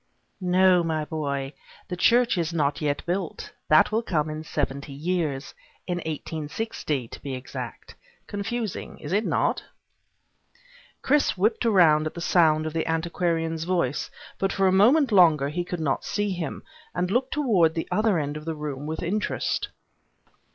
"No, my boy. The church is not yet built. That will come in seventy years. In eighteen sixty, to be exact. Confusing, is it not?" Chris whipped about at the sound of the antiquarian's voice but for a moment longer he could not see him, and looked toward the other end of the room with interest.